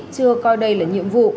chưa coi đây là nhiệm vụ